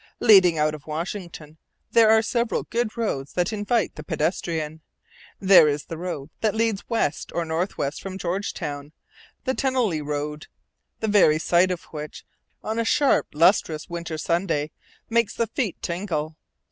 Leading out of Washington there are several good roads that invite the pedestrian. There is the road that leads west or northwest from Georgetown, the Tenallytown road, the very sight of which, on a sharp, lustrous winter Sunday, makes the feet tingle.